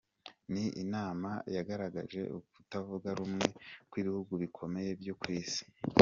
Ni inama yagaragaje ukutavuga rumwe kw'ibihugu bikomeye byo ku isi.